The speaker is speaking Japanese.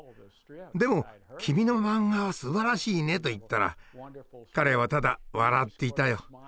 でも「君のマンガはすばらしいね」と言ったら彼はただ笑っていたよ。